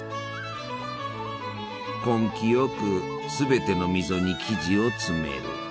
根気よくすべての溝に生地を詰める。